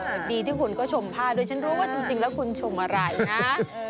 สวัสดีที่คุณก็ชมผ้าด้วยฉันรู้ว่าจริงแล้วคุณชมอะไรนะ